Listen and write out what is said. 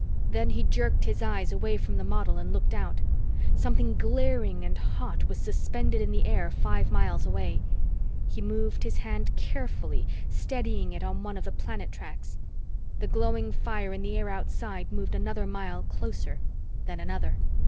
Then he jerked his eyes away from the model and looked out. Something glaring and hot was suspended in the air five miles away. He moved his hand carefully, steadying it on one of the planet tracks. The glowing fire in the air outside moved another mile closer then another.